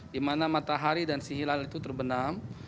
di mana matahari dan si hilal itu terbenam